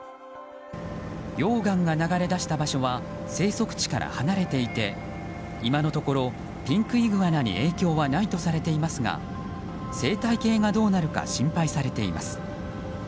溶岩が流れ出した場所は生息地から離れていて今のところ、ピンクイグアナに影響はないとされていますが生態系がどうなるか心配されています。